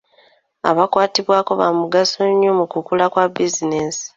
Abakwatibwako ba mugaso nnyo mu kukula kwa bizinensi.